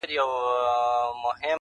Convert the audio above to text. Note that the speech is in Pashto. • ورکړې یې بوسه نه ده وعده یې د بوسې ده,